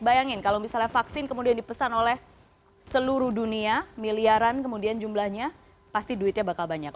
bayangin kalau misalnya vaksin kemudian dipesan oleh seluruh dunia miliaran kemudian jumlahnya pasti duitnya bakal banyak